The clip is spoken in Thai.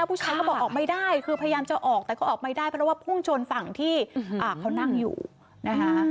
ผู้ชายก็บอกออกไม่ได้คือพยายามจะออกแต่ก็ออกไม่ได้เพราะว่าพุ่งชนฝั่งที่เขานั่งอยู่นะคะ